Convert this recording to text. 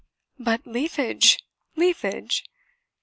"But, leafage! leafage!